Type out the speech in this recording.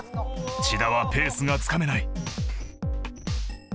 千田はペースがつかめない。